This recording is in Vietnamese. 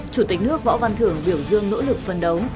chủ tịch nước võ văn thưởng biểu dương nỗ lực phân đấu